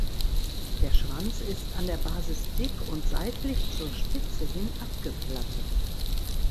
Der Schwanz ist an der Basis dick und seitlich zur Spitze hin abgeplattet.